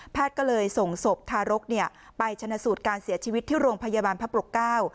ก็เลยส่งศพทารกเนี่ยไปชนะสูตรการเสียชีวิตที่โรงพยาบาลพระปรกเก้า